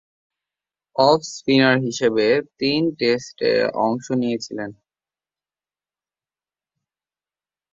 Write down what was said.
Of spinner হিসেবে তিন টেস্টে অংশ নিয়েছিলেন।